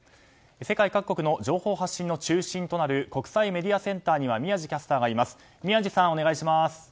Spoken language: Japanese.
世界各国の情報発信の中心となる国際メディアセンターには宮司キャスターがいます。